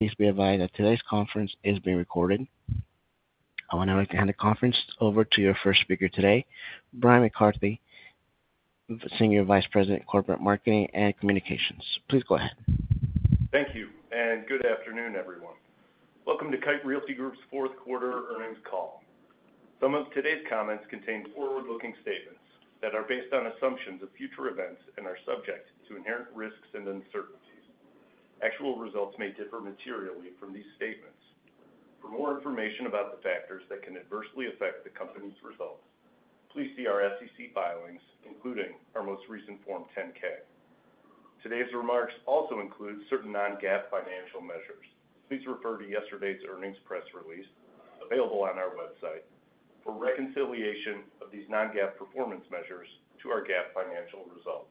Please be advised that today's conference is being recorded. I would now like to hand the conference over to your first speaker today, Bryan McCarthy, Senior Vice President, Corporate Marketing and Communications. Please go ahead. Thank you, and good afternoon, everyone. Welcome to Kite Realty Group's fourth quarter earnings call. Some of today's comments contain forward-looking statements that are based on assumptions of future events and are subject to inherent risks and uncertainties. Actual results may differ materially from these statements. For more information about the factors that can adversely affect the company's results, please see our SEC filings, including our most recent Form 10-K. Today's remarks also include certain non-GAAP financial measures. Please refer to yesterday's earnings press re-lease available on our website for reconciliation of these non-GAAP performance measures to our GAAP financial results.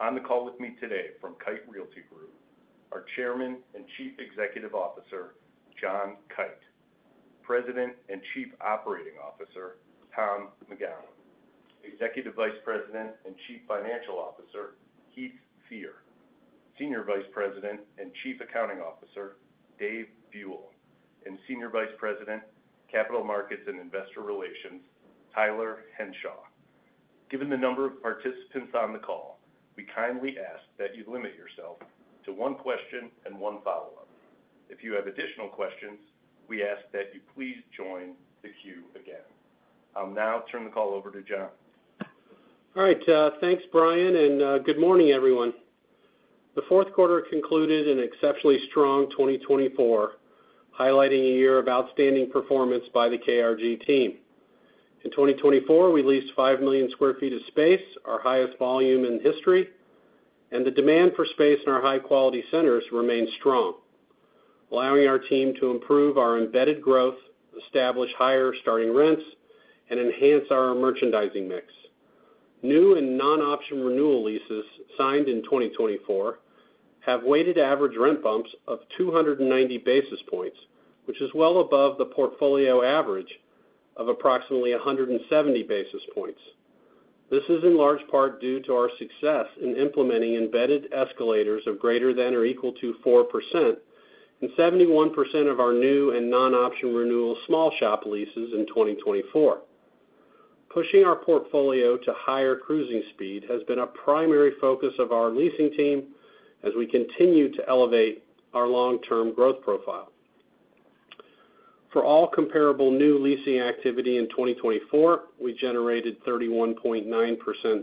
On the call with me today from Kite Realty Group are Chairman and Chief Executive Officer John Kite, President and Chief Operating Officer Tom McGowan, Executive Vice President and Chief Financial Officer Heath Fear, Senior Vice President and Chief Accounting Officer Dave Buell, and Senior Vice President, Capital Markets and Investor Relations, Tyler Henshaw. Given the number of participants on the call, we kindly ask that you limit yourself to one question and one follow-up. If you have additional questions, we ask that you please join the queue again. I'll now turn the call over to John. All right. Thanks, Bryan, and good morning, everyone. The fourth quarter concluded in an exceptionally strong 2024, highlighting a year of outstanding performance by the KRG team. In 2024, we leased 5 million sq ft of space, our highest volume in history, and the demand for space in our high-quality centers remains strong, allowing our team to improve our embedded growth, establish higher starting rents, and enhance our merchandising mix. New and non-option renewal leases signed in 2024 have weighted average rent bumps of 290 basis points, which is well above the portfolio average of approximately 170 basis points. This is in large part due to our success in implementing embedded escalators of greater than or equal to 4% in 71% of our new and non-option renewal small shop leases in 2024. Pushing our portfolio to higher cruising speed has been a primary focus of our leasing team as we continue to elevate our long-term growth profile. For all comparable new leasing activity in 2024, we generated 31.9%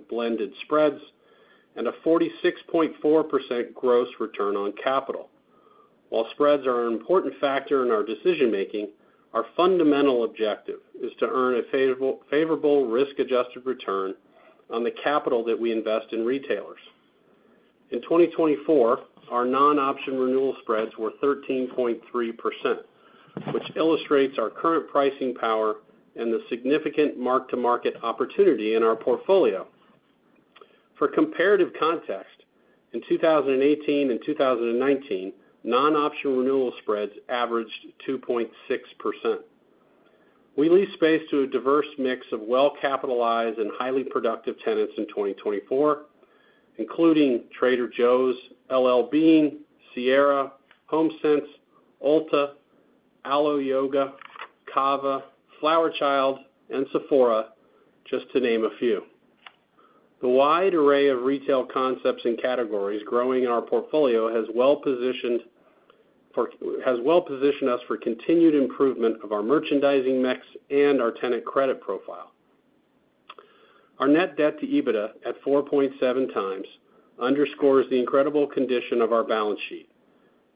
blended spreads and a 46.4% gross return on capital. While spreads are an important factor in our decision-making, our fundamental objective is to earn a favorable risk-adjusted return on the capital that we invest in retailers. In 2024, our non-option renewal spreads were 13.3%, which illustrates our current pricing power and the significant mark-to-market opportunity in our portfolio. For comparative context, in 2018 and 2019, non-option renewal spreads averaged 2.6%. We leased space to a diverse mix of well-capitalized and highly productive tenants in 2024, including Trader Joe's, L.L.Bean, Sierra, Homesense, Ulta, Alo Yoga, CAVA, Flower Child, and Sephora, just to name a few. The wide array of retail concepts and categories growing in our portfolio has well positioned us for continued improvement of our merchandising mix and our tenant credit profile. Our Net Debt to EBITDA at 4.7 times underscores the incredible condition of our balance sheet,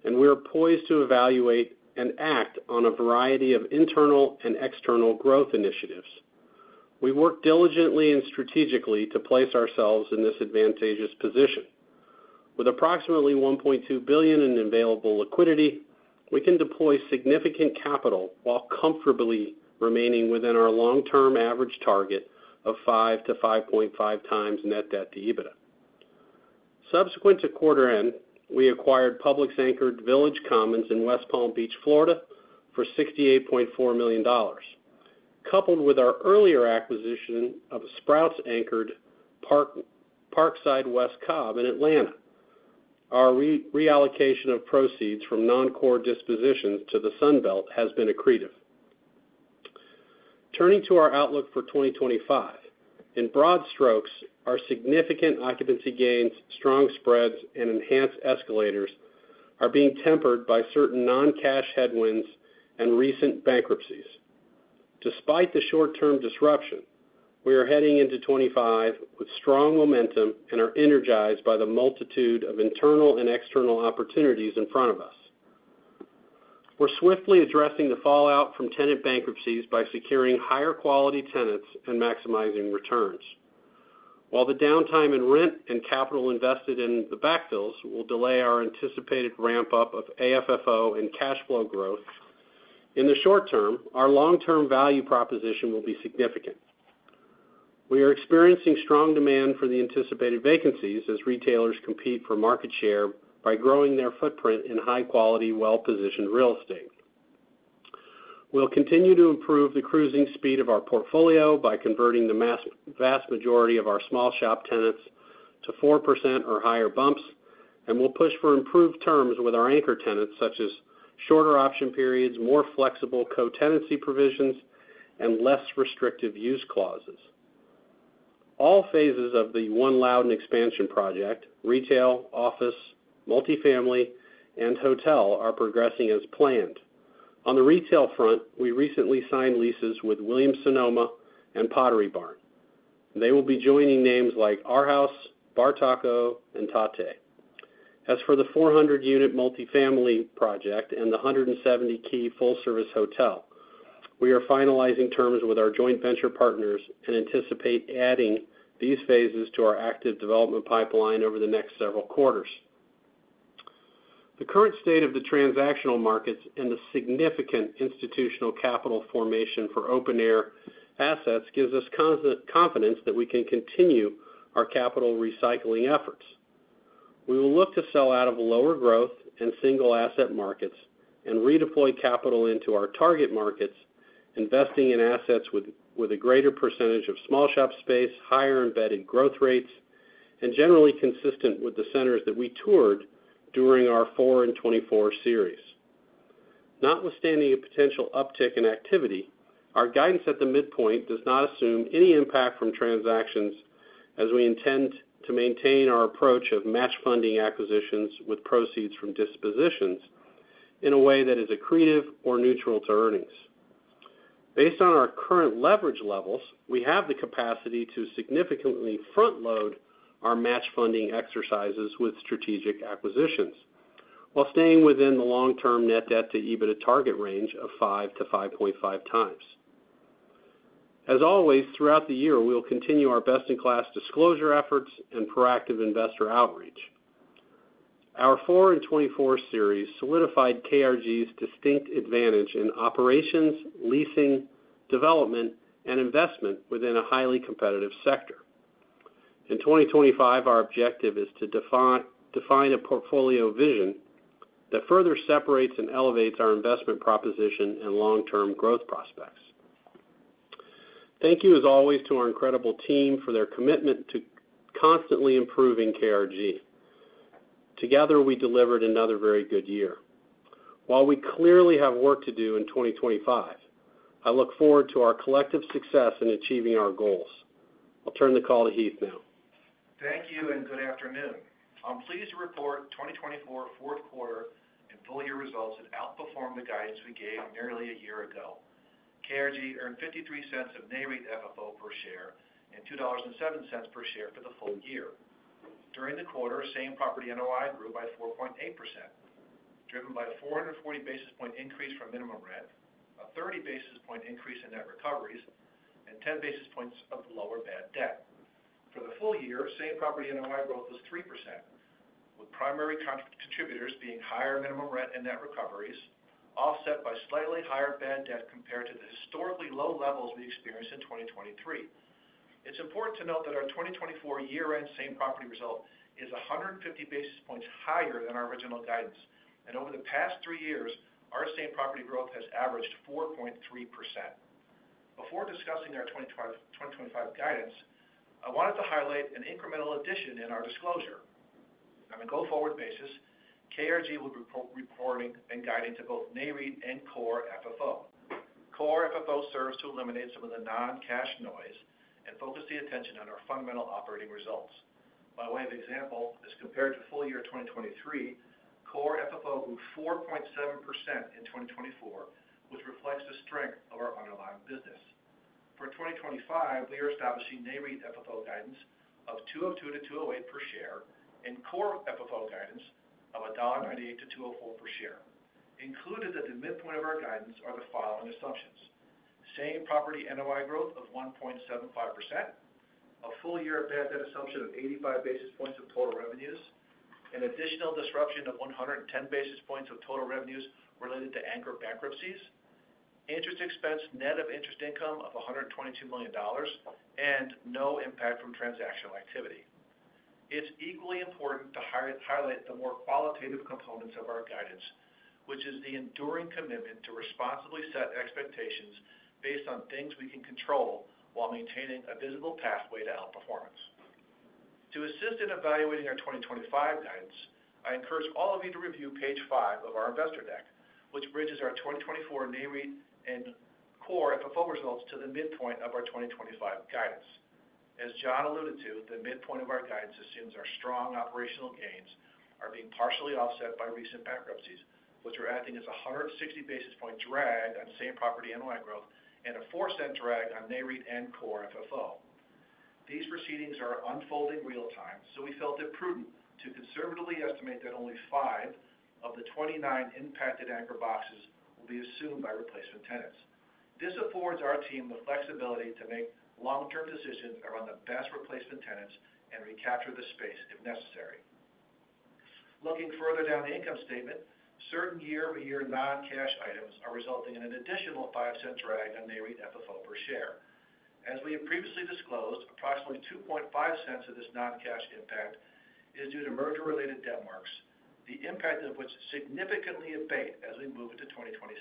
and we are poised to evaluate and act on a variety of internal and external growth initiatives. We work diligently and strategically to place ourselves in this advantageous position. With approximately $1.2 billion in available liquidity, we can deploy significant capital while comfortably remaining within our long-term average target of 5 to 5.5 times Net Debt to EBITDA. Subsequent to quarter end, we acquired Publix anchored Village Commons in West Palm Beach, Florida, for $68.4 million, coupled with our earlier acquisition of a Sprouts-anchored Parkside West Cobb in Atlanta. Our reallocation of proceeds from non-core dispositions to the Sunbelt has been accretive. Turning to our outlook for 2025, in broad strokes, our significant occupancy gains, strong spreads, and enhanced escalators are being tempered by certain non-cash headwinds and recent bankruptcies. Despite the short-term disruption, we are heading into 2025 with strong momentum and are energized by the multitude of internal and external opportunities in front of us. We're swiftly addressing the fallout from tenant bankruptcies by securing higher quality tenants and maximizing returns. While the downtime in rent and capital invested in the backfills will delay our anticipated ramp-up of AFFO and cash flow growth, in the short term, our long-term value proposition will be significant. We are experiencing strong demand for the anticipated vacancies as retailers compete for market share by growing their footprint in high-quality, well-positioned real estate. We'll continue to improve the cruising speed of our portfolio by converting the vast majority of our small shop tenants to 4% or higher bumps, and we'll push for improved terms with our anchor tenants, such as shorter option periods, more flexible co-tenancy provisions, and less restrictive use clauses. All phases of the One Loudoun expansion project (retail, office, multifamily, and hotel) are progressing as planned. On the retail front, we recently signed leases with Williams-Sonoma and Pottery Barn. They will be joining names like Arhaus, Bartaco, and Tatte. As for the 400-unit multifamily project and the 170-key full-service hotel, we are finalizing terms with our joint venture partners and anticipate adding these phases to our active development pipeline over the next several quarters. The current state of the transactional markets and the significant institutional capital formation for open-air assets gives us confidence that we can continue our capital recycling efforts. We will look to sell out of lower growth and single-asset markets and redeploy capital into our target markets, investing in assets with a greater percentage of small shop space, higher embedded growth rates, and generally consistent with the centers that we toured during our 4 in '24 series. Notwithstanding a potential uptick in activity, our guidance at the midpoint does not assume any impact from transactions as we intend to maintain our approach of match funding acquisitions with proceeds from dispositions in a way that is accretive or neutral to earnings. Based on our current leverage levels, we have the capacity to significantly front-load our match funding exercises with strategic acquisitions while staying within the long-term net debt to EBITDA target range of 5-5.5 times. As always, throughout the year, we will continue our best-in-class disclosure efforts and proactive investor outreach. Our 4 in '24 series solidified KRG's distinct advantage in operations, leasing, development, and investment within a highly competitive sector. In 2025, our objective is to define a portfolio vision that further separates and elevates our investment proposition and long-term growth prospects. Thank you, as always, to our incredible team for their commitment to constantly improving KRG. Together, we delivered another very good year. While we clearly have work to do in 2025, I look forward to our collective success in achieving our goals. I'll turn the call to Heath now. Thank you and good afternoon. I'm pleased to report 2024 fourth quarter and full year results had outperformed the guidance we gave nearly a year ago. KRG earned $0.53 of Nareit FFO per share and $2.07 per share for the full year. During the quarter, same property NOI grew by 4.8%, driven by a 440 basis point increase from minimum rent, a 30 basis point increase in net recoveries, and 10 basis points of lower bad debt. For the full year, same property NOI growth was 3%, with primary contributors being higher minimum rent and net recoveries, offset by slightly higher bad debt compared to the historically low levels we experienced in 2023. It's important to note that our 2024 year-end same property result is 150 basis points higher than our original guidance, and over the past three years, our same property growth has averaged 4.3%. Before discussing our 2025 guidance, I wanted to highlight an incremental addition in our disclosure. On a go-forward basis, KRG will be reporting and guiding to both Nareit and Core FFO. Core FFO serves to eliminate some of the non-cash noise and focus the attention on our fundamental operating results. By way of example, as compared to full year 2023, Core FFO grew 4.7% in 2024, which reflects the strength of our underlying business. For 2025, we are establishing Nareit FFO guidance of $2.02-$2.08 per share and Core FFO guidance of $1.98-$2.04 per share. Included at the midpoint of our guidance are the following assumptions: same property NOI growth of 1.75%, a full year of bad debt assumption of 85 basis points of total revenues, an additional disruption of 110 basis points of total revenues related to anchor bankruptcies, interest expense, net of interest income of $122 million, and no impact from transactional activity. It's equally important to highlight the more qualitative components of our guidance, which is the enduring commitment to responsibly set expectations based on things we can control while maintaining a visible pathway to outperformance. To assist in evaluating our 2025 guidance, I encourage all of you to review page five of our investor deck, which bridges our 2024 Nareit and Core FFO results to the midpoint of our 2025 guidance. As John alluded to, the midpoint of our guidance assumes our strong operational gains are being partially offset by recent bankruptcies, which are acting as 160 basis points drag on same property NOI growth and a $0.04 drag on Nareit and Core FFO. These proceedings are unfolding real-time, so we felt it prudent to conservatively estimate that only five of the 29 impacted anchor boxes will be assumed by replacement tenants. This affords our team the flexibility to make long-term decisions around the best replacement tenants and recapture the space if necessary. Looking further down the income statement, certain year-over-year non-cash items are resulting in an additional $0.05 drag on Nareit FFO per share. As we have previously disclosed, approximately $0.025 of this non-cash impact is due to merger-related debt marks, the impact of which significantly abates as we move into 2026.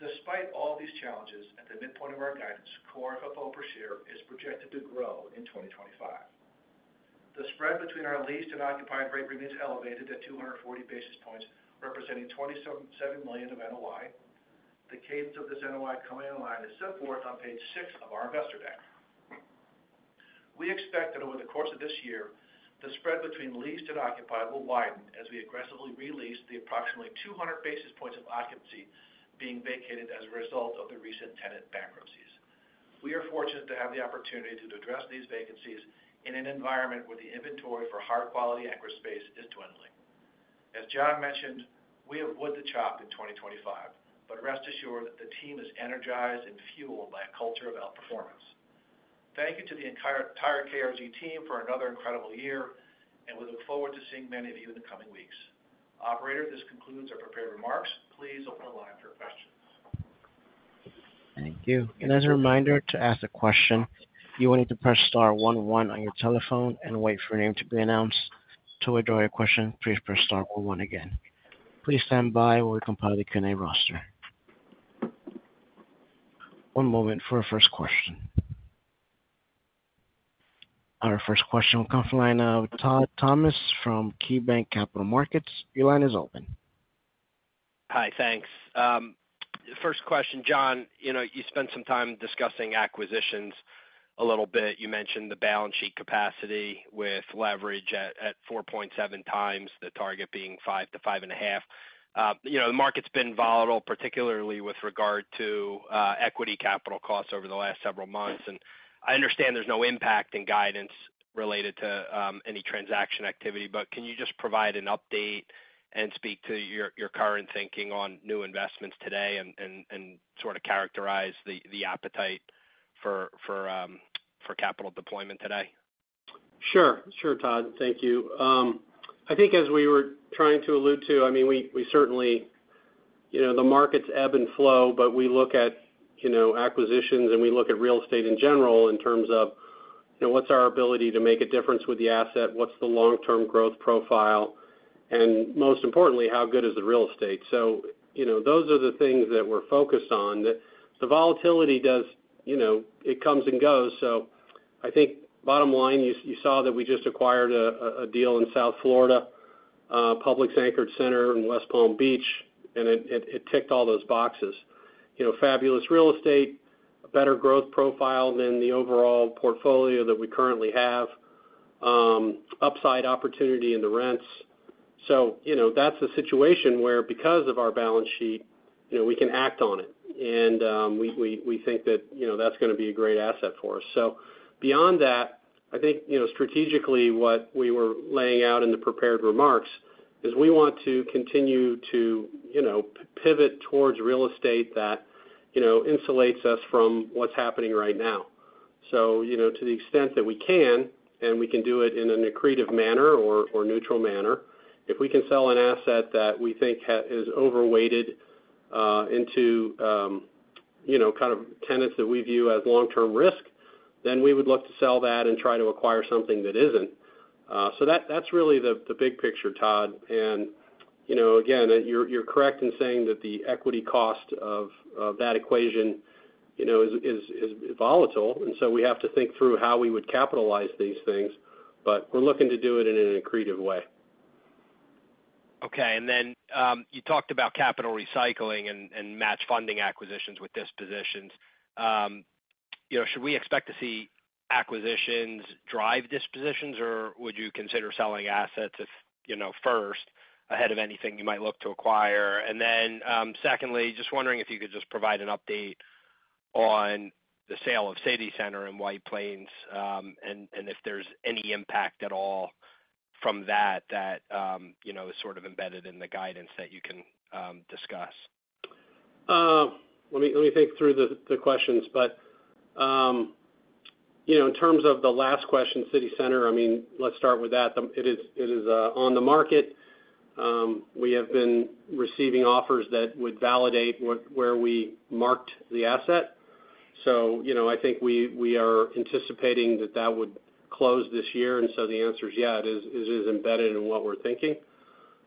Despite all these challenges, at the midpoint of our guidance, Core FFO per share is projected to grow in 2025. The spread between our leased and occupied rate remains elevated at 240 basis points, representing $27 million of NOI. The cadence of this NOI coming online is set forth on page six of our investor deck. We expect that over the course of this year, the spread between leased and occupied will widen as we aggressively release the approximately 200 basis points of occupancy being vacated as a result of the recent tenant bankruptcies. We are fortunate to have the opportunity to address these vacancies in an environment where the inventory for high-quality anchor space is dwindling. As John mentioned, we have wood to chop in 2025, but rest assured the team is energized and fueled by a culture of outperformance. Thank you to the entire KRG team for another incredible year, and we look forward to seeing many of you in the coming weeks. Operator, this concludes our prepared remarks. Please open the line for questions. Thank you. And as a reminder, to ask a question, you will need to press star 11 on your telephone and wait for your name to be announced. To withdraw your question, please press star 11 again. Please stand by while we compile the Q&A roster. One moment for our first question. Our first question will come from Todd Thomas from KeyBanc Capital Markets. Your line is open. Hi, thanks. First question, John, you spent some time discussing acquisitions a little bit. You mentioned the balance sheet capacity with leverage at 4.7 times, the target being 5 to 5.5. The market's been volatile, particularly with regard to equity capital costs over the last several months, and I understand there's no impact in guidance related to any transaction activity, but can you just provide an update and speak to your current thinking on new investments today and sort of characterize the appetite for capital deployment today? Sure. Sure, Todd. Thank you. I think as we were trying to allude to, I mean, we certainly the market's ebb and flow, but we look at acquisitions and we look at real estate in general in terms of what's our ability to make a difference with the asset, what's the long-term growth profile, and most importantly, how good is the real estate? So those are the things that we're focused on. The volatility does it comes and goes. So I think bottom line, you saw that we just acquired a deal in South Florida, Publix-anchored center in West Palm Beach, and it ticked all those boxes. Fabulous real estate, a better growth profile than the overall portfolio that we currently have, upside opportunity in the rents. So that's a situation where, because of our balance sheet, we can act on it. And we think that that's going to be a great asset for us. So beyond that, I think strategically what we were laying out in the prepared remarks is we want to continue to pivot towards real estate that insulates us from what's happening right now. So to the extent that we can, and we can do it in an accretive manner or neutral manner, if we can sell an asset that we think is overweighted into kind of tenants that we view as long-term risk, then we would look to sell that and try to acquire something that isn't. So that's really the big picture, Todd. And again, you're correct in saying that the equity cost of that equation is volatile, and so we have to think through how we would capitalize these things, but we're looking to do it in an accretive way. Okay. And then you talked about capital recycling and match funding acquisitions with dispositions. Should we expect to see acquisitions drive dispositions, or would you consider selling assets first ahead of anything you might look to acquire? And then secondly, just wondering if you could just provide an update on the sale of City Center in White Plains and if there's any impact at all from that that is sort of embedded in the guidance that you can discuss. Let me think through the questions. But in terms of the last question, City Center, I mean, let's start with that. It is on the market. We have been receiving offers that would validate where we marked the asset. So I think we are anticipating that that would close this year. And so the answer is, yeah, it is embedded in what we're thinking.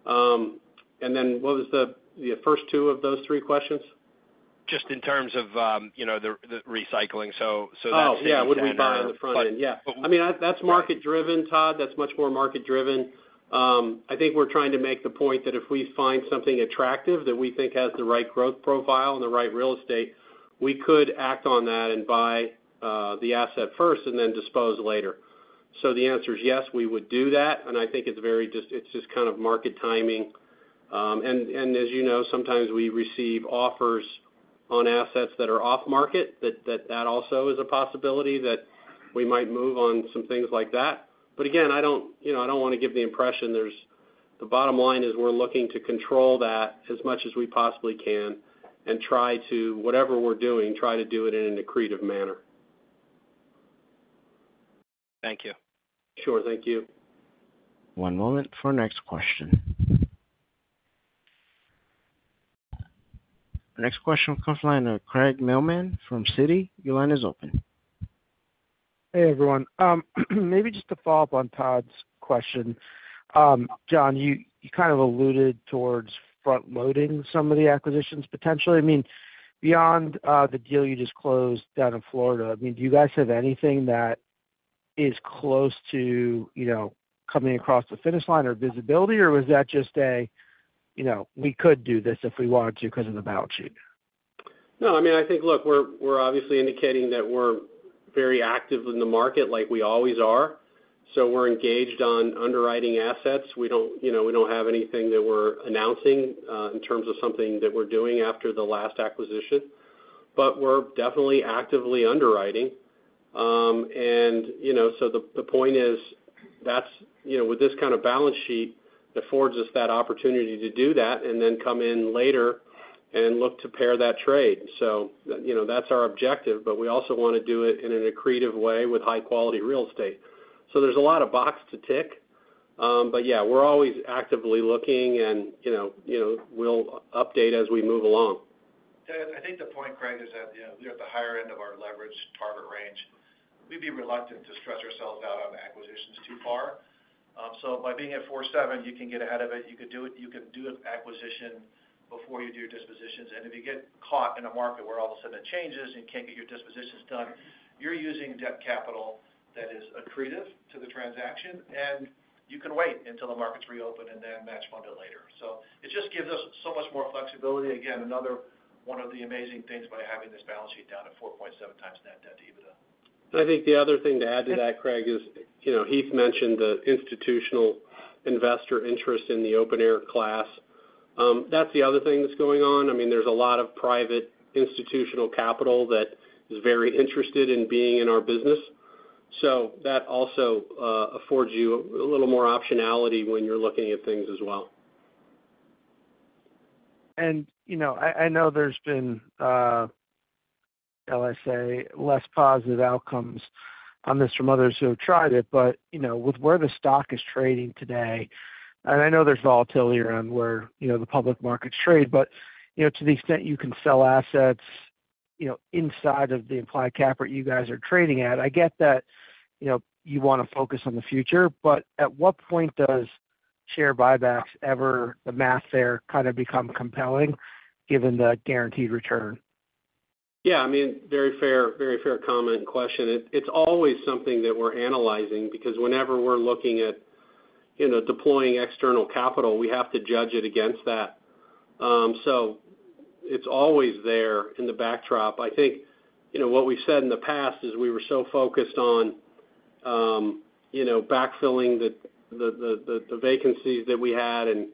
And then what was the first two of those three questions? Just in terms of the recycling. So that's the. Oh, yeah. Would we buy in the front? Yeah. I mean, that's market-driven, Todd. That's much more market-driven. I think we're trying to make the point that if we find something attractive that we think has the right growth profile and the right real estate, we could act on that and buy the asset first and then dispose later. So the answer is yes, we would do that. And I think it's just kind of market timing. And as you know, sometimes we receive offers on assets that are off-market, that also is a possibility that we might move on some things like that. But again, I don't want to give the impression there's the bottom line is we're looking to control that as much as we possibly can and try to, whatever we're doing, try to do it in an accretive manner. Thank you. Sure. Thank you. One moment for our next question. Our next question will come from Craig Mailman from Citi. Your line is open. Hey, everyone. Maybe just to follow up on Todd's question, John, you kind of alluded towards front-loading some of the acquisitions potentially. I mean, beyond the deal you just closed down in Florida, I mean, do you guys have anything that is close to coming across the finish line or visibility, or was that just a, "We could do this if we wanted to because of the balance sheet"? No, I mean, I think, look, we're obviously indicating that we're very active in the market like we always are. So we're engaged on underwriting assets. We don't have anything that we're announcing in terms of something that we're doing after the last acquisition. But we're definitely actively underwriting. And so the point is, with this kind of balance sheet, it affords us that opportunity to do that and then come in later and look to pair that trade. So that's our objective, but we also want to do it in an accretive way with high-quality real estate. So there's a lot of box to tick. But yeah, we're always actively looking, and we'll update as we move along. I think the point, Craig, is that we're at the higher end of our leverage target range. We'd be reluctant to stress ourselves out on acquisitions too far. So by being at 4.7, you can get ahead of it. You can do an acquisition before you do your dispositions. And if you get caught in a market where all of a sudden it changes and you can't get your dispositions done, you're using debt capital that is accretive to the transaction, and you can wait until the market's reopened and then match fund it later. So it just gives us so much more flexibility. Again, another one of the amazing things by having this balance sheet down at 4.7 times net debt to EBITDA. I think the other thing to add to that, Craig, is Heath mentioned the institutional investor interest in the open-air class. That's the other thing that's going on. I mean, there's a lot of private institutional capital that is very interested in being in our business. So that also affords you a little more optionality when you're looking at things as well. And I know there's been, shall I say, less positive outcomes on this from others who have tried it, but with where the stock is trading today, and I know there's volatility around where the public markets trade, but to the extent you can sell assets inside of the implied cap rate you guys are trading at, I get that you want to focus on the future, but at what point does share buybacks ever, the math there kind of become compelling given the guaranteed return? Yeah. I mean, very fair comment and question. It's always something that we're analyzing because whenever we're looking at deploying external capital, we have to judge it against that. So it's always there in the backdrop. I think what we've said in the past is we were so focused on backfilling the vacancies that we had and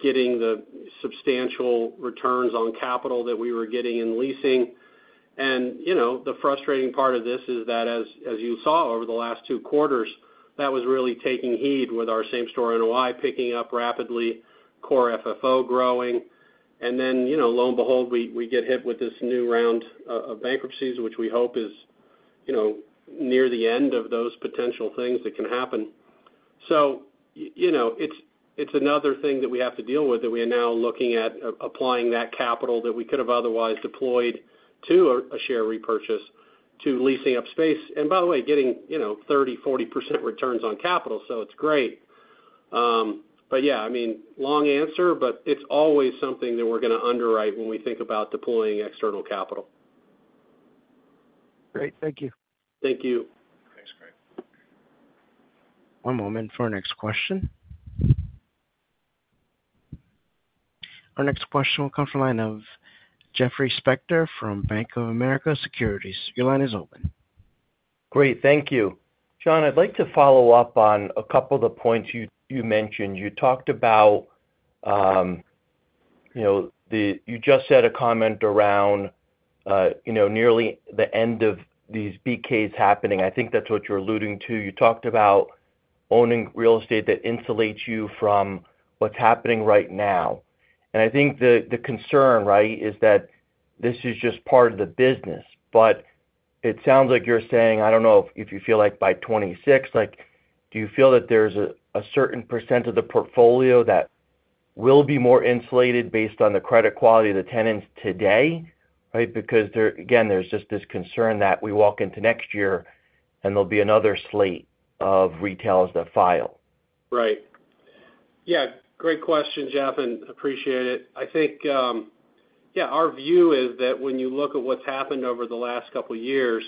getting the substantial returns on capital that we were getting in leasing. And the frustrating part of this is that, as you saw over the last two quarters, that was really taking heed with our same store in Hawaii picking up rapidly, Core FFO growing. And then, lo and behold, we get hit with this new round of bankruptcies, which we hope is near the end of those potential things that can happen. So it's another thing that we have to deal with that we are now looking at applying that capital that we could have otherwise deployed to a share repurchase to leasing up space. And by the way, getting 30%-40% returns on capital, so it's great. But yeah, I mean, long answer, but it's always something that we're going to underwrite when we think about deploying external capital. Great. Thank you. Thank you. Thanks, Craig. One moment for our next question. Our next question will come from the line of Jeffrey Spector from Bank of America Securities. Your line is open. Great. Thank you. John, I'd like to follow up on a couple of the points you mentioned. You talked about you just said a comment around nearly the end of these BKs happening. I think that's what you're alluding to. You talked about owning real estate that insulates you from what's happening right now. And I think the concern, right, is that this is just part of the business. But it sounds like you're saying, I don't know if you feel like by 2026, do you feel that there's a certain percent of the portfolio that will be more insulated based on the credit quality of the tenants today? Right? Because again, there's just this concern that we walk into next year and there'll be another slate of retailers that file. Right. Yeah. Great question, Jeff, and appreciate it. I think, yeah, our view is that when you look at what's happened over the last couple of years,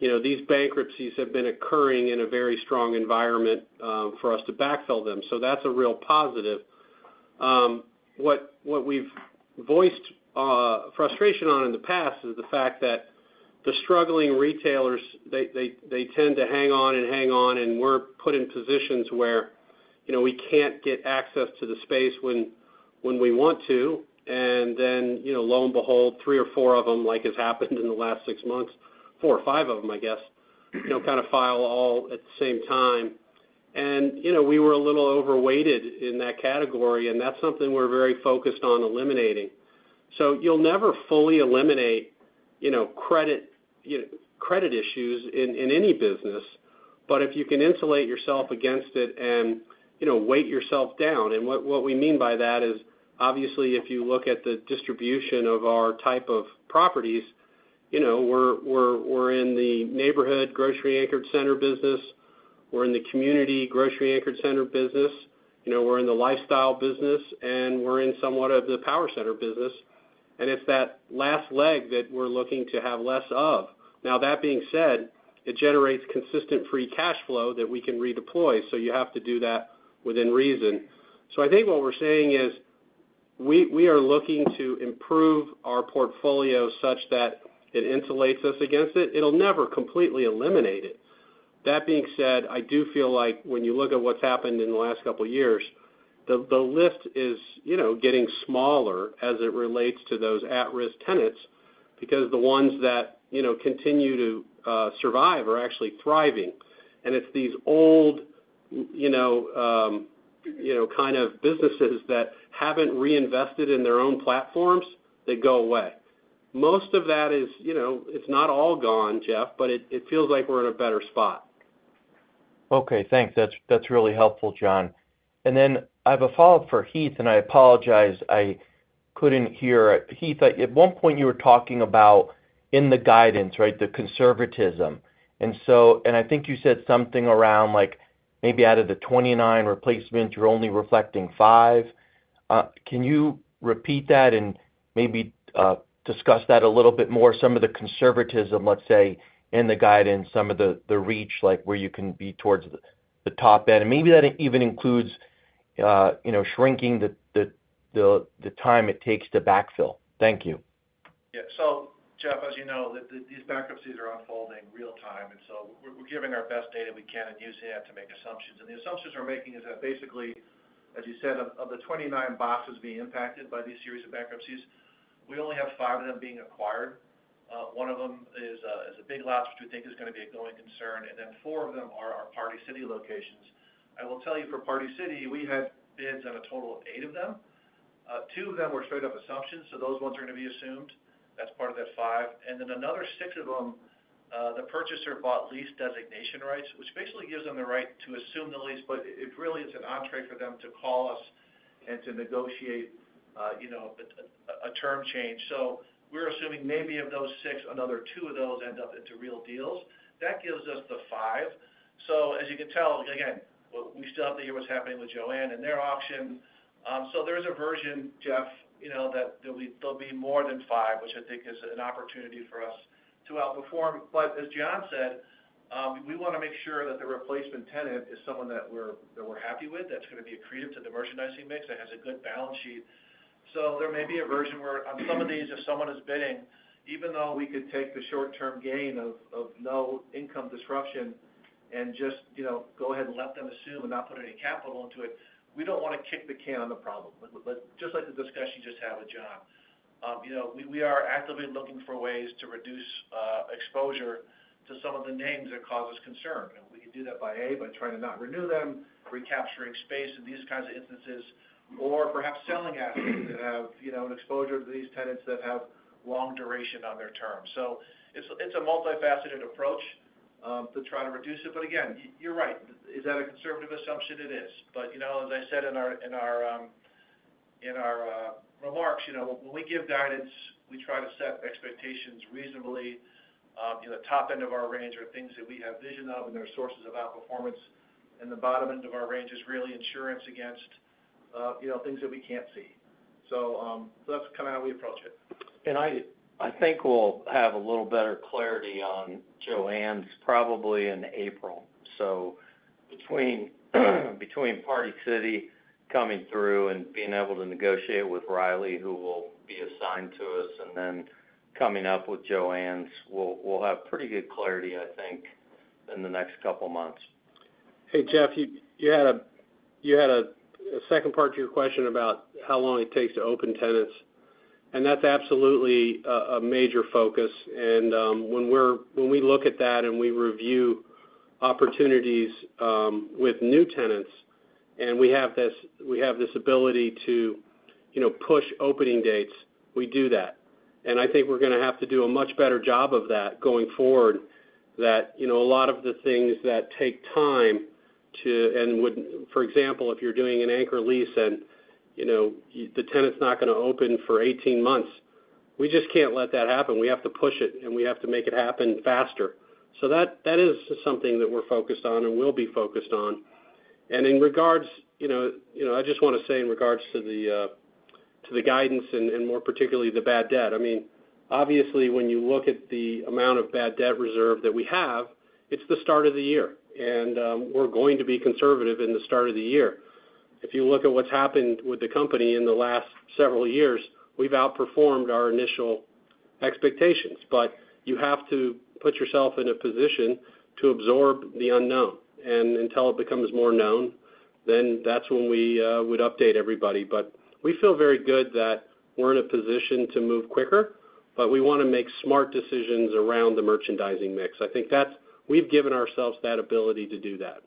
these bankruptcies have been occurring in a very strong environment for us to backfill them. So that's a real positive. What we've voiced frustration on in the past is the fact that the struggling retailers, they tend to hang on and hang on, and we're put in positions where we can't get access to the space when we want to. And then, lo and behold, three or four of them, like has happened in the last six months, four or five of them, I guess, kind of file all at the same time. And we were a little overweighted in that category, and that's something we're very focused on eliminating. So, you'll never fully eliminate credit issues in any business, but if you can insulate yourself against it and weigh yourself down. And what we mean by that is, obviously, if you look at the distribution of our type of properties, we're in the neighborhood grocery anchored center business. We're in the community grocery anchored center business. We're in the lifestyle business, and we're in somewhat of the power center business. And it's that last leg that we're looking to have less of. Now, that being said, it generates consistent free cash flow that we can redeploy. So you have to do that within reason. So I think what we're saying is we are looking to improve our portfolio such that it insulates us against it. It'll never completely eliminate it. That being said, I do feel like when you look at what's happened in the last couple of years, the list is getting smaller as it relates to those at-risk tenants because the ones that continue to survive are actually thriving. And it's these old kind of businesses that haven't reinvested in their own platforms that go away. Most of that is, it's not all gone, Jeff, but it feels like we're in a better spot. Okay. Thanks. That's really helpful, John. And then I have a follow-up for Heath, and I apologize. I couldn't hear Heath. At one point, you were talking about in the guidance, right, the conservatism. And I think you said something around maybe out of the 29 replacements, you're only reflecting five. Can you repeat that and maybe discuss that a little bit more? Some of the conservatism, let's say, in the guidance, some of the reach where you can be towards the top end. And maybe that even includes shrinking the time it takes to backfill. Thank you. Yeah. So, Jeff, as you know, these bankruptcies are unfolding real-time. And so we're giving our best data we can and using it to make assumptions. And the assumptions we're making is that basically, as you said, of the 29 boxes being impacted by these series of bankruptcies, we only have five of them being acquired. One of them is a Big Lots, which we think is going to be a going concern. And then four of them are our Party City locations. I will tell you for Party City, we had bids on a total of eight of them. Two of them were straight-up assumptions, so those ones are going to be assumed. That's part of that five. And then another six of them, the purchaser bought lease designation rights, which basically gives them the right to assume the lease, but it really is an entree for them to call us and to negotiate a term change. So we're assuming maybe of those six, another two of those end up into real deals. That gives us the five. So as you can tell, again, we still have to hear what's happening with Joann and their auction. So there is a version, Jeff, that there'll be more than five, which I think is an opportunity for us to outperform. But as John said, we want to make sure that the replacement tenant is someone that we're happy with, that's going to be accretive to the merchandising mix, that has a good balance sheet. So there may be a version where on some of these, if someone is bidding, even though we could take the short-term gain of no income disruption and just go ahead and let them assume and not put any capital into it, we don't want to kick the can on the problem. Just like the discussion you just had with John, we are actively looking for ways to reduce exposure to some of the names that cause us concern. And we can do that by, A, by trying to not renew them, recapturing space in these kinds of instances, or perhaps selling assets that have exposure to these tenants that have long duration on their terms. So it's a multifaceted approach to try to reduce it. But again, you're right. Is that a conservative assumption? It is. But as I said in our remarks, when we give guidance, we try to set expectations reasonably. The top end of our range are things that we have vision of, and they're sources of outperformance. And the bottom end of our range is really insurance against things that we can't see. So that's kind of how we approach it. I think we'll have a little better clarity on Joann's probably in April. Between Party City coming through and being able to negotiate with Riley, who will be assigned to us, and then coming up with Joann's, we'll have pretty good clarity, I think, in the next couple of months. Hey, Jeff, you had a second part to your question about how long it takes to open tenants. And that's absolutely a major focus. And when we look at that and we review opportunities with new tenants and we have this ability to push opening dates, we do that. And I think we're going to have to do a much better job of that going forward, that a lot of the things that take time, for example, if you're doing an anchor lease and the tenant's not going to open for 18 months, we just can't let that happen. We have to push it, and we have to make it happen faster. So that is something that we're focused on and will be focused on. And in regards, I just want to say in regards to the guidance and more particularly the bad debt. I mean, obviously, when you look at the amount of bad debt reserve that we have, it's the start of the year, and we're going to be conservative in the start of the year. If you look at what's happened with the company in the last several years, we've outperformed our initial expectations, but you have to put yourself in a position to absorb the unknown, and until it becomes more known, then that's when we would update everybody. But we feel very good that we're in a position to move quicker, but we want to make smart decisions around the merchandising mix. I think we've given ourselves that ability to do that.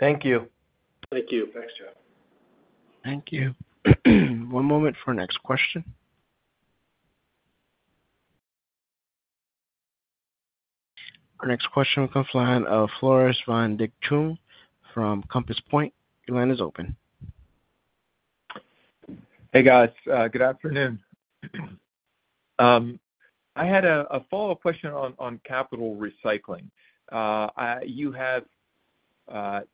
Thank you. Thank you. Thanks, Jeff. Thank you. One moment for our next question. Our next question will come from Floris van Dijkum from Compass Point. Your line is open. Hey, guys. Good afternoon. I had a follow-up question on capital recycling. You have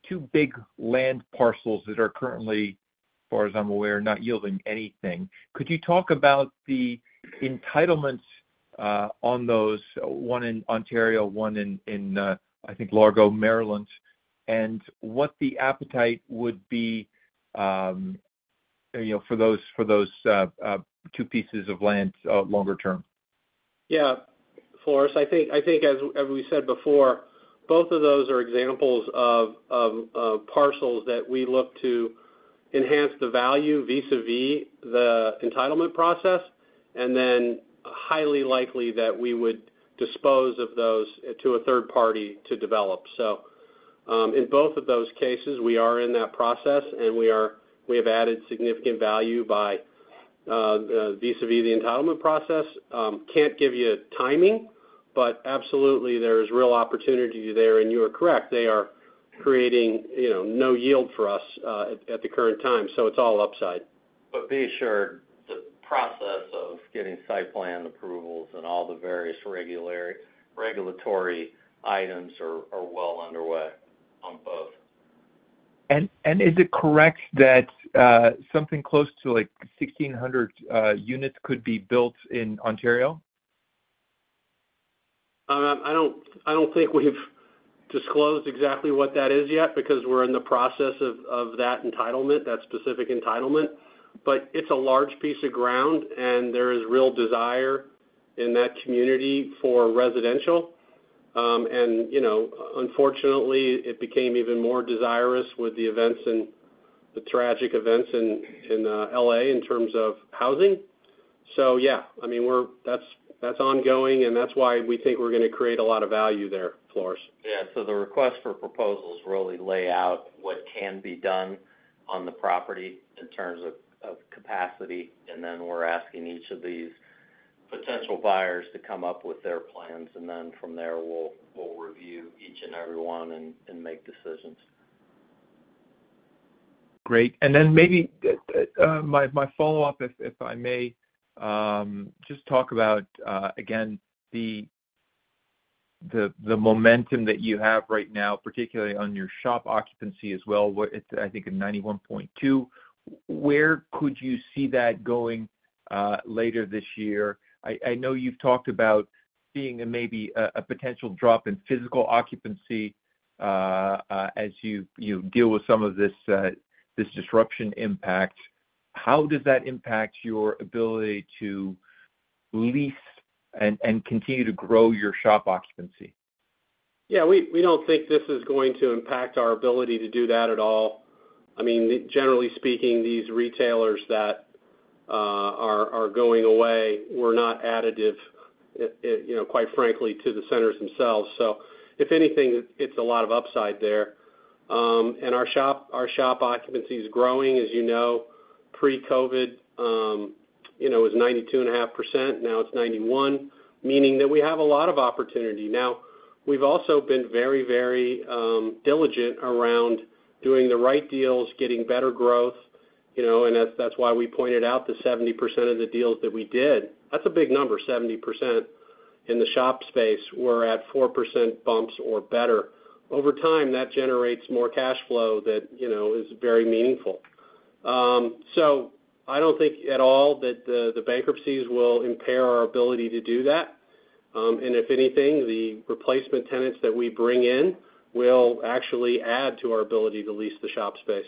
two big land parcels that are currently, as far as I'm aware, not yielding anything. Could you talk about the entitlements on those, one in Ontario, one in, I think, Largo, Maryland, and what the appetite would be for those two pieces of land longer term? Yeah. Floris, I think, as we said before, both of those are examples of parcels that we look to enhance the value vis-à-vis the entitlement process, and then highly likely that we would dispose of those to a third party to develop. So in both of those cases, we are in that process, and we have added significant value vis-à-vis the entitlement process. Can't give you timing, but absolutely, there is real opportunity there. And you're correct. They are creating no yield for us at the current time. So it's all upside. But be assured, the process of getting site plan approvals and all the various regulatory items are well underway on both. Is it correct that something close to 1,600 units could be built in Ontario? I don't think we've disclosed exactly what that is yet because we're in the process of that entitlement, that specific entitlement. But it's a large piece of ground, and there is real desire in that community for residential. And unfortunately, it became even more desirous with the events and the tragic events in LA in terms of housing. So yeah, I mean, that's ongoing, and that's why we think we're going to create a lot of value there, Floris. Yeah, so the request for proposals really lay out what can be done on the property in terms of capacity, and then we're asking each of these potential buyers to come up with their plans, and then from there, we'll review each and every one and make decisions. Great. And then maybe my follow-up, if I may, just talk about, again, the momentum that you have right now, particularly on your shop occupancy as well. I think at 91.2%. Where could you see that going later this year? I know you've talked about seeing maybe a potential drop in physical occupancy as you deal with some of this disruption impact. How does that impact your ability to lease and continue to grow your shop occupancy? Yeah. We don't think this is going to impact our ability to do that at all. I mean, generally speaking, these retailers that are going away were not additive, quite frankly, to the centers themselves. So if anything, it's a lot of upside there. And our shop occupancy is growing. As you know, pre-COVID, it was 92.5%. Now it's 91%, meaning that we have a lot of opportunity. Now, we've also been very, very diligent around doing the right deals, getting better growth. And that's why we pointed out the 70% of the deals that we did. That's a big number, 70%. In the shop space, we're at 4% bumps or better. Over time, that generates more cash flow that is very meaningful. So I don't think at all that the bankruptcies will impair our ability to do that. If anything, the replacement tenants that we bring in will actually add to our ability to lease the shop space.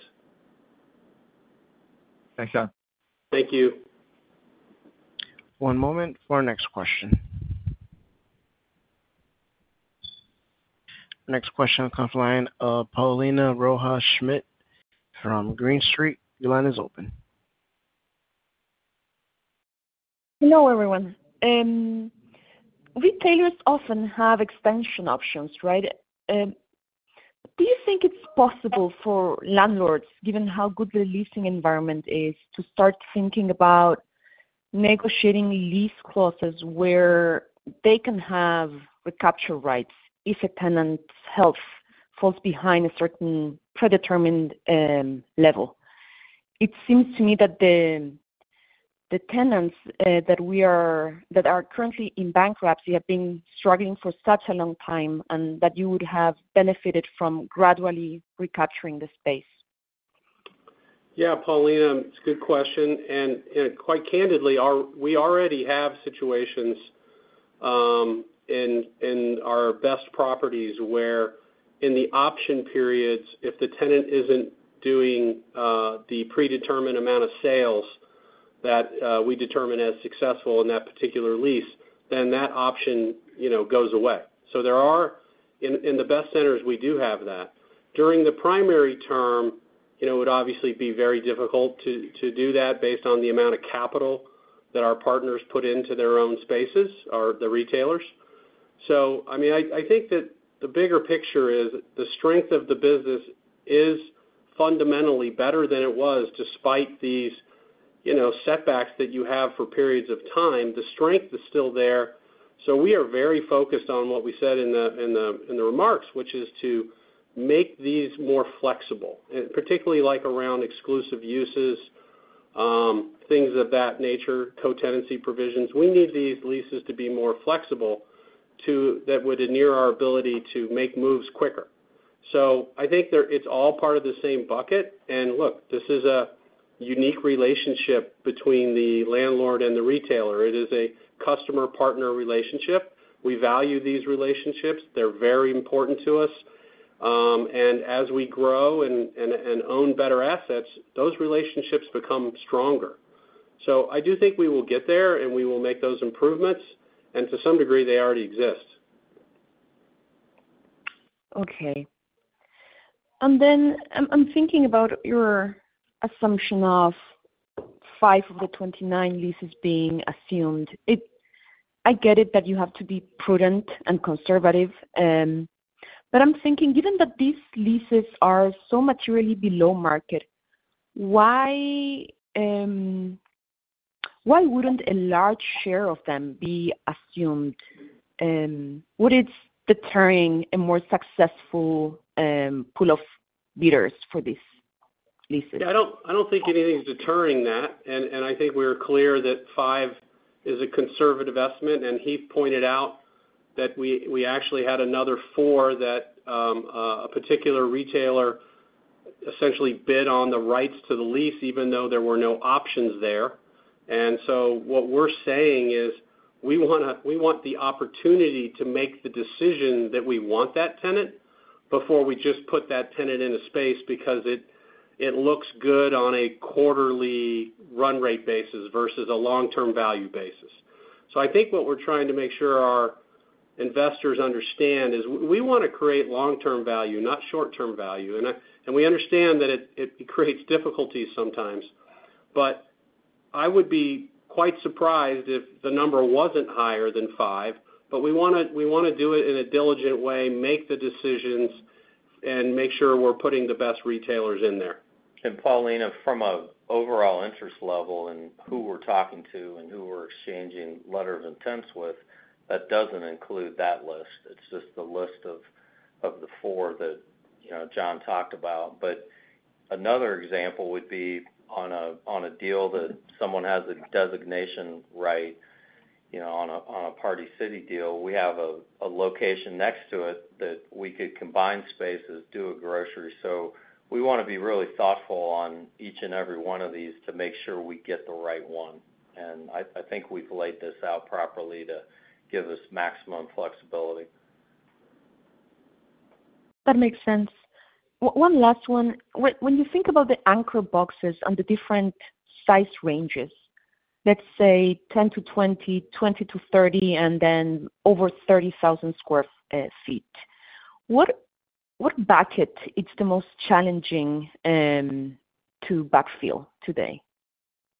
Thanks, John. Thank you. One moment for our next question. Next question will come from Paulina Rojas Schmidt from Green Street. Your line is open. Hello, everyone. Retailers often have extension options, right? Do you think it's possible for landlords, given how good the leasing environment is, to start thinking about negotiating lease clauses where they can have recapture rights if a tenant's health falls behind a certain predetermined level? It seems to me that the tenants that are currently in bankruptcy have been struggling for such a long time and that you would have benefited from gradually recapturing the space. Yeah, Paulina, it's a good question. And quite candidly, we already have situations in our best properties where, in the option periods, if the tenant isn't doing the predetermined amount of sales that we determine as successful in that particular lease, then that option goes away. So in the best centers, we do have that. During the primary term, it would obviously be very difficult to do that based on the amount of capital that our partners put into their own spaces or the retailers. So I mean, I think that the bigger picture is the strength of the business is fundamentally better than it was despite these setbacks that you have for periods of time. The strength is still there. So we are very focused on what we said in the remarks, which is to make these more flexible, particularly around exclusive uses, things of that nature, co-tenancy provisions. We need these leases to be more flexible, that would enhance our ability to make moves quicker, so I think it's all part of the same bucket, and look, this is a unique relationship between the landlord and the retailer. It is a customer-partner relationship. We value these relationships. They're very important to us, and as we grow and own better assets, those relationships become stronger, so I do think we will get there, and we will make those improvements. And to some degree, they already exist. Okay. And then I'm thinking about your assumption of five of the 29 leases being assumed. I get it that you have to be prudent and conservative. But I'm thinking, given that these leases are so materially below market, why wouldn't a large share of them be assumed? Would it deter a more successful pool of bidders for these leases? Yeah. I don't think anything's deterring that. And I think we're clear that five is a conservative estimate. And Heath pointed out that we actually had another four that a particular retailer essentially bid on the rights to the lease, even though there were no options there. And so what we're saying is we want the opportunity to make the decision that we want that tenant before we just put that tenant in a space because it looks good on a quarterly run rate basis versus a long-term value basis. So I think what we're trying to make sure our investors understand is we want to create long-term value, not short-term value. And we understand that it creates difficulties sometimes. But I would be quite surprised if the number wasn't higher than five. But we want to do it in a diligent way, make the decisions, and make sure we're putting the best retailers in there. Paulina, from an overall interest level and who we're talking to and who we're exchanging letters of intent with, that doesn't include that list. It's just the list of the four that John talked about. But another example would be on a deal that someone has a designation right on a Party City deal. We have a location next to it that we could combine spaces, do a grocery. So we want to be really thoughtful on each and every one of these to make sure we get the right one. And I think we've laid this out properly to give us maximum flexibility. That makes sense. One last one. When you think about the anchor boxes and the different size ranges, let's say 10-20 sq ft, 20-30 sq ft, and then over 30,000 sq ft, what bucket is the most challenging to backfill today?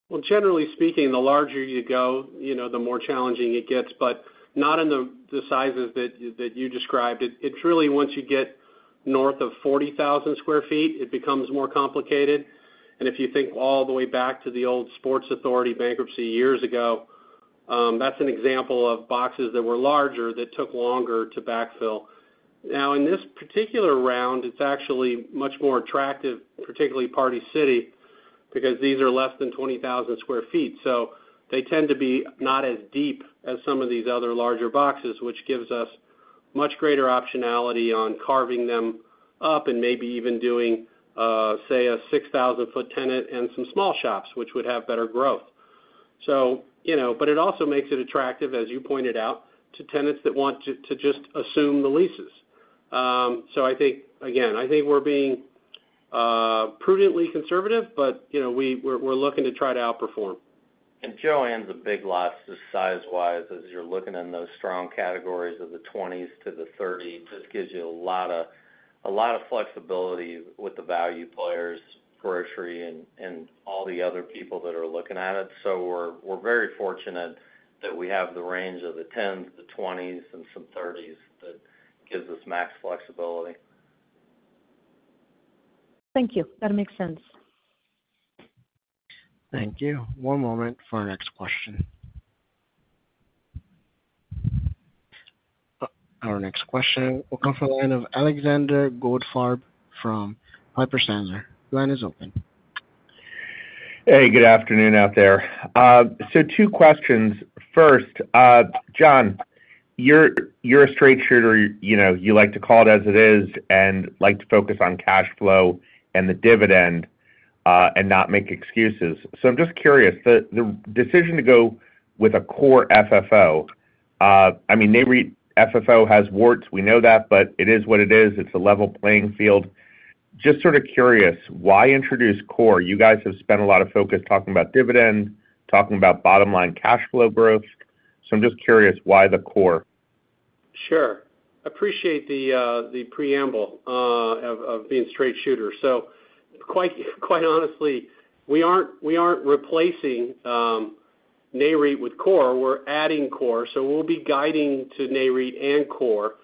Well, generally speaking, the larger you go, the more challenging it gets. But not in the sizes that you described. It's really once you get north of 40,000 sq ft, it becomes more complicated. And if you think all the way back to the old Sports Authority bankruptcy years ago, that's an example of boxes that were larger that took longer to backfill. Now, in this particular round, it's actually much more attractive, particularly Party City, because these are less than 20,000 sq ft. So they tend to be not as deep as some of these other larger boxes, which gives us much greater optionality on carving them up and maybe even doing, say, a 6,000-sq ft tenant and some small shops, which would have better growth. But it also makes it attractive, as you pointed out, to tenants that want to just assume the leases. So again, I think we're being prudently conservative, but we're looking to try to outperform. Joann's a Big Lots just size-wise. As you're looking in those strong categories of the 20s to the 30s, this gives you a lot of flexibility with the value players, grocery, and all the other people that are looking at it. We're very fortunate that we have the range of the 10s, the 20s, and some 30s that gives us max flexibility. Thank you. That makes sense. Thank you. One moment for our next question. Our next question will come from the line of Alexander Goldfarb from Piper Sandler. The line is open. Hey, good afternoon out there. So two questions. First, John, you're a straight shooter. You like to call it as it is and like to focus on cash flow and the dividend and not make excuses. So I'm just curious, the decision to go with a Core FFO, I mean, FFO has warts. We know that, but it is what it is. It's a level playing field. Just sort of curious, why introduce core? You guys have spent a lot of focus talking about dividend, talking about bottom-line cash flow growth. So I'm just curious why the core? Sure. Appreciate the preamble of being straight shooters. So quite honestly, we aren't replacing Nareit with core. We're adding core. So we'll be guiding to Nareit and core.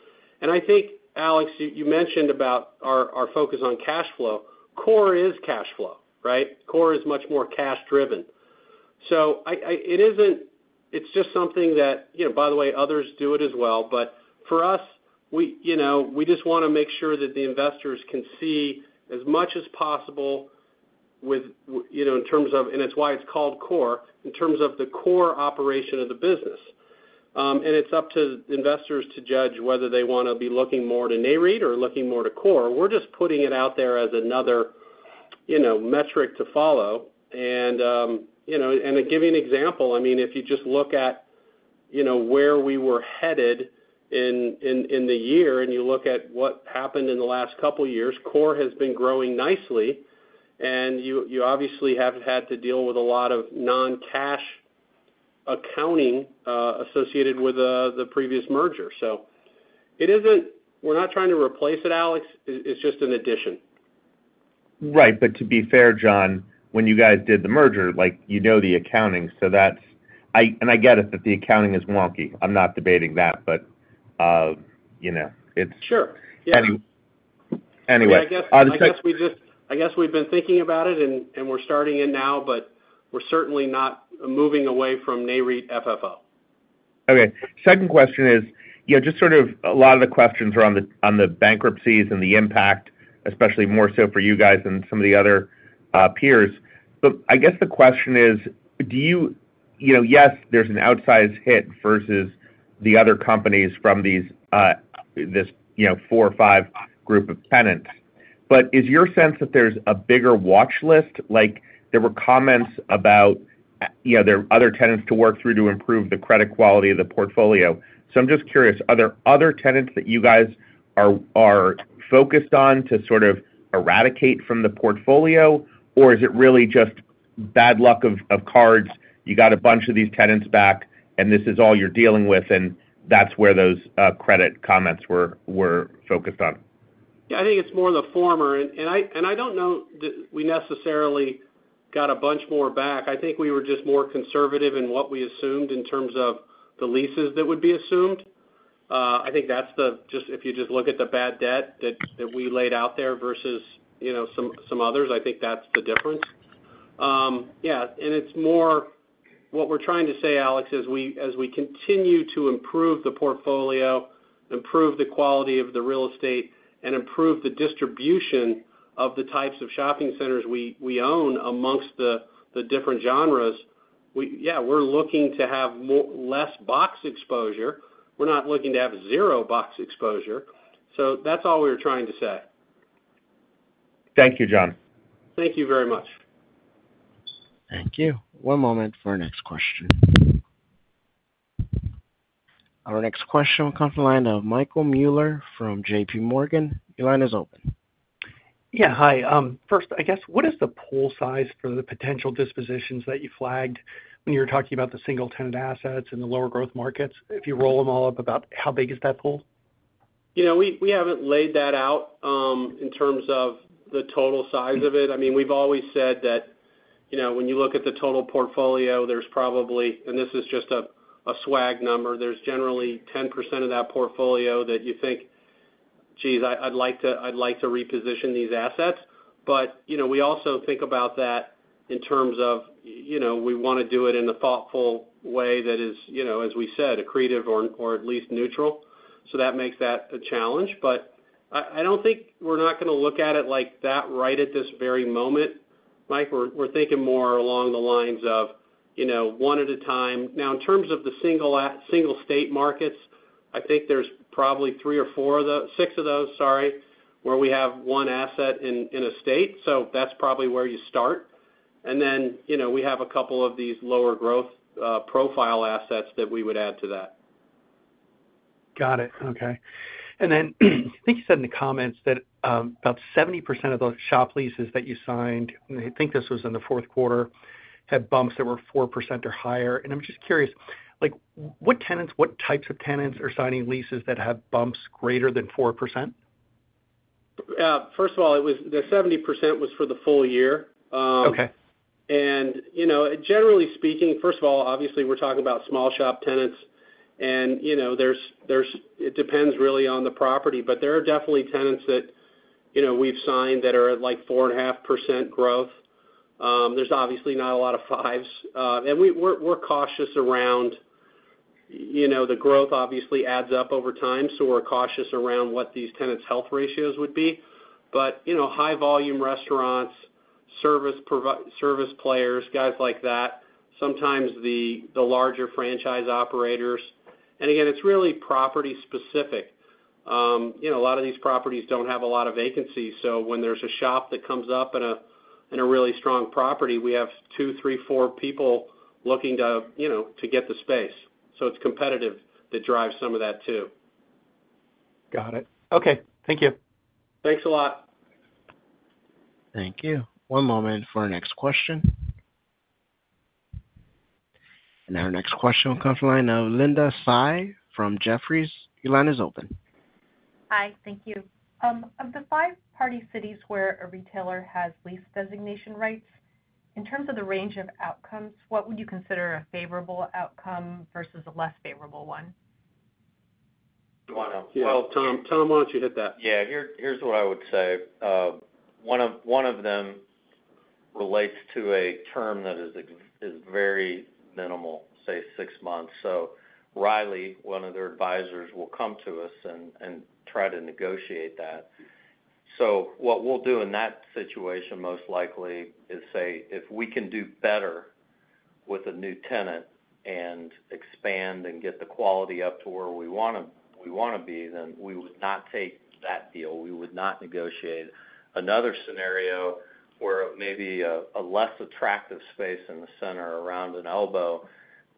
And I think, Alex, you mentioned about our focus on cash flow. Core is cash flow, right? Core is much more cash-driven. So it's just something that, by the way, others do it as well. But for us, we just want to make sure that the investors can see as much as possible in terms of, and it's why it's called core, in terms of the core operation of the business. And it's up to investors to judge whether they want to be looking more to Nareit or looking more to core. We're just putting it out there as another metric to follow. And to give you an example, I mean, if you just look at where we were headed in the year and you look at what happened in the last couple of years, core has been growing nicely. And you obviously have had to deal with a lot of non-cash accounting associated with the previous merger. So we're not trying to replace it, Alex. It's just an addition. Right. But to be fair, John, when you guys did the merger, you know the accounting. And I get it that the accounting is wonky. I'm not debating that, but it's. Sure. Yeah. Anyway. I guess we've been thinking about it, and we're starting in now, but we're certainly not moving away from Nareit FFO. Okay. Second question is just sort of a lot of the questions are on the bankruptcies and the impact, especially more so for you guys than some of the other peers, but I guess the question is, yes, there's an outsized hit versus the other companies from this four or five group of tenants, but is your sense that there's a bigger watchlist? There were comments about there are other tenants to work through to improve the credit quality of the portfolio, so I'm just curious, are there other tenants that you guys are focused on to sort of eradicate from the portfolio, or is it really just bad luck of cards? You got a bunch of these tenants back, and this is all you're dealing with, and that's where those credit comments were focused on? Yeah. I think it's more the former, and I don't know that we necessarily got a bunch more back. I think we were just more conservative in what we assumed in terms of the leases that would be assumed. I think that's just if you just look at the bad debt that we laid out there versus some others. I think that's the difference. Yeah, and it's more what we're trying to say, Alex, is as we continue to improve the portfolio, improve the quality of the real estate, and improve the distribution of the types of shopping centers we own amongst the different genres. Yeah, we're looking to have less box exposure. We're not looking to have zero box exposure. So that's all we were trying to say. Thank you, John. Thank you very much. Thank you. One moment for our next question. Our next question will come from the line of Michael Mueller from JPMorgan. Your line is open. Yeah. Hi. First, I guess, what is the pool size for the potential dispositions that you flagged when you were talking about the single-tenant assets and the lower-growth markets? If you roll them all up, about how big is that pool? We haven't laid that out in terms of the total size of it. I mean, we've always said that when you look at the total portfolio, there's probably, and this is just a swag number, there's generally 10% of that portfolio that you think, "Geez, I'd like to reposition these assets." But we also think about that in terms of we want to do it in a thoughtful way that is, as we said, accretive or at least neutral. So that makes that a challenge. But I don't think we're not going to look at it like that right at this very moment. We're thinking more along the lines of one at a time. Now, in terms of the single-state markets, I think there's probably three or four of those, six of those, sorry, where we have one asset in a state. So that's probably where you start. And then we have a couple of these lower-growth profile assets that we would add to that. Got it. Okay. And then I think you said in the comments that about 70% of those shop leases that you signed - and I think this was in the fourth quarter - had bumps that were 4% or higher. And I'm just curious, what types of tenants are signing leases that have bumps greater than 4%? First of all, the 70% was for the full year. And generally speaking, first of all, obviously, we're talking about small-shop tenants. And it depends really on the property. But there are definitely tenants that we've signed that are like 4.5% growth. There's obviously not a lot of 5s. And we're cautious around the growth obviously adds up over time. So we're cautious around what these tenants' health ratios would be. But high-volume restaurants, service players, guys like that, sometimes the larger franchise operators, and again, it's really property-specific. A lot of these properties don't have a lot of vacancies. So when there's a shop that comes up in a really strong property, we have two, three, four people looking to get the space. So it's competitive that drives some of that too. Got it. Okay. Thank you. Thanks a lot. Thank you. One moment for our next question. And our next question will come from the line of Linda Tsai from Jefferies. Your line is open. Hi. Thank you. Of the five Party City locations where a retailer has lease designation rights, in terms of the range of outcomes, what would you consider a favorable outcome versus a less favorable one? Tom, why don't you hit that? Yeah. Here's what I would say. One of them relates to a term that is very minimal, say six months. So Riley, one of their advisors, will come to us and try to negotiate that. So what we'll do in that situation most likely is say, "If we can do better with a new tenant and expand and get the quality up to where we want to be, then we would not take that deal. We would not negotiate." Another scenario where maybe a less attractive space in the center around an elbow,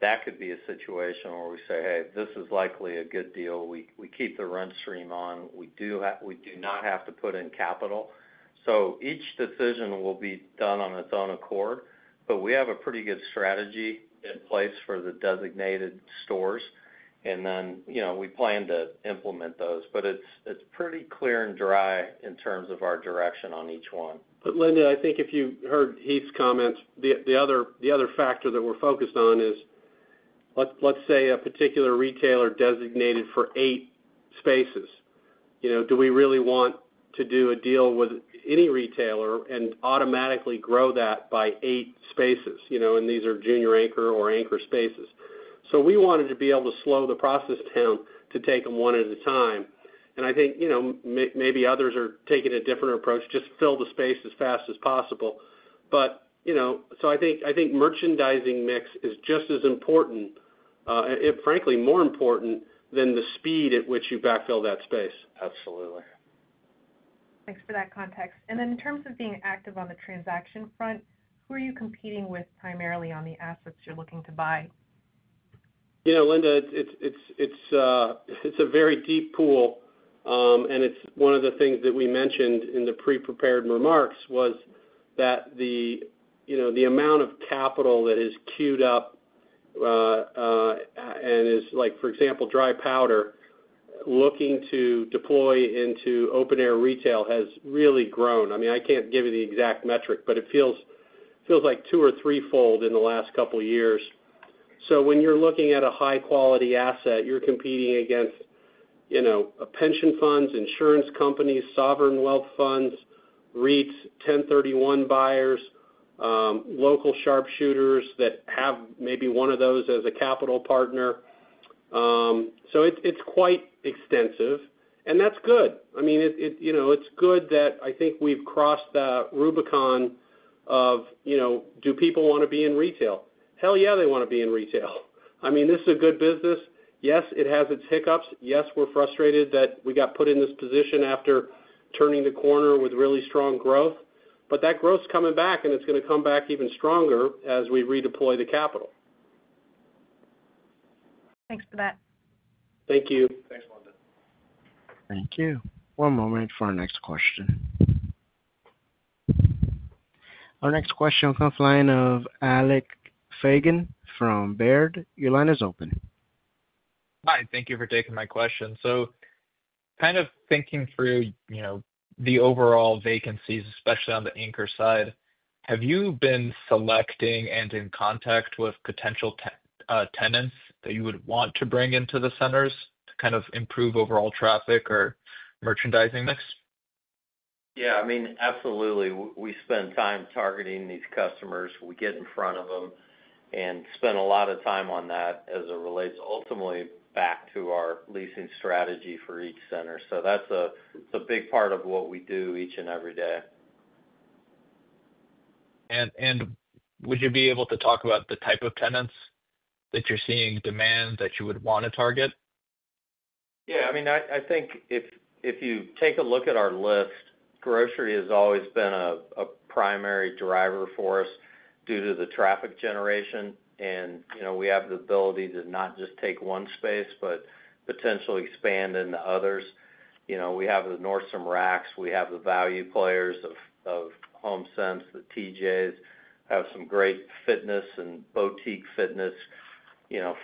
that could be a situation where we say, "Hey, this is likely a good deal. We keep the rent stream on. We do not have to put in capital." So each decision will be done on its own accord. But we have a pretty good strategy in place for the designated stores. And then we plan to implement those. But it's pretty clear and dry in terms of our direction on each one. But, Linda, I think if you heard Heath's comment, the other factor that we're focused on is, let's say, a particular retailer designated for eight spaces. Do we really want to do a deal with any retailer and automatically grow that by eight spaces? And these are junior anchor or anchor spaces. So we wanted to be able to slow the process down to take them one at a time. And I think maybe others are taking a different approach, just fill the space as fast as possible. But so I think merchandising mix is just as important, frankly, more important than the speed at which you backfill that space. Absolutely. Thanks for that context. And then in terms of being active on the transaction front, who are you competing with primarily on the assets you're looking to buy? Linda, it's a very deep pool, and one of the things that we mentioned in the pre-prepared remarks was that the amount of capital that is queued up and is, for example, dry powder, looking to deploy into open-air retail has really grown. I mean, I can't give you the exact metric, but it feels like two or threefold in the last couple of years, so when you're looking at a high-quality asset, you're competing against pension funds, insurance companies, sovereign wealth funds, REITs, 1031 buyers, local sharpshooters that have maybe one of those as a capital partner, so it's quite extensive, and that's good. I mean, it's good that I think we've crossed the Rubicon of, "Do people want to be in retail?" Hell yeah, they want to be in retail. I mean, this is a good business. Yes, it has its hiccups. Yes, we're frustrated that we got put in this position after turning the corner with really strong growth. But that growth's coming back, and it's going to come back even stronger as we redeploy the capital. Thanks for that. Thank you. Thanks, Linda. Thank you. One moment for our next question. Our next question will come from the line of Alec Feygin from Baird. Your line is open. Hi. Thank you for taking my question. So kind of thinking through the overall vacancies, especially on the anchor side, have you been selecting and in contact with potential tenants that you would want to bring into the centers to kind of improve overall traffic or merchandising mix? Yeah. I mean, absolutely. We spend time targeting these customers. We get in front of them and spend a lot of time on that as it relates ultimately back to our leasing strategy for each center. So that's a big part of what we do each and every day. Would you be able to talk about the type of tenants that you're seeing demand that you would want to target? Yeah. I mean, I think if you take a look at our list, grocery has always been a primary driver for us due to the traffic generation. And we have the ability to not just take one space, but potentially expand into others. We have the Nordstrom Racks. We have the value players of Homesense. The TJ's have some great fitness and boutique fitness.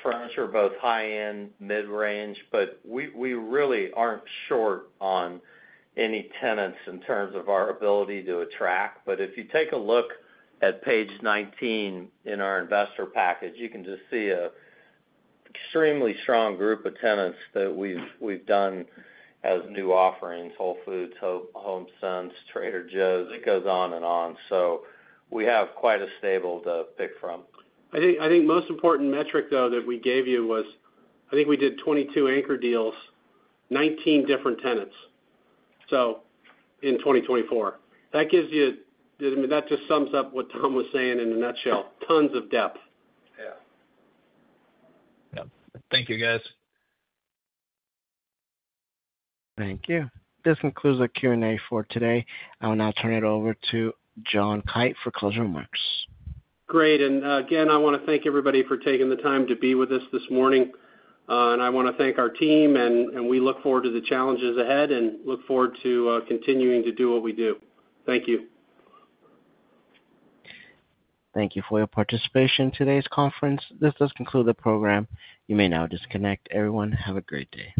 Furniture, both high-end, mid-range. But we really aren't short on any tenants in terms of our ability to attract. But if you take a look at page 19 in our investor package, you can just see an extremely strong group of tenants that we've done as new offerings: Whole Foods, Homesense, Trader Joe's. It goes on and on. So we have quite a stable to pick from. I think the most important metric, though, that we gave you was I think we did 22 anchor deals, 19 different tenants in 2024. That gives you, I mean, that just sums up what Tom was saying in a nutshell. Tons of depth. Yeah. Yep. Thank you, guys. Thank you. This concludes our Q&A for today. I will now turn it over to John Kite for closing remarks. Great. And again, I want to thank everybody for taking the time to be with us this morning. And I want to thank our team. And we look forward to the challenges ahead and look forward to continuing to do what we do. Thank you. Thank you for your participation in today's conference. This does conclude the program. You may now disconnect. Everyone, have a great day.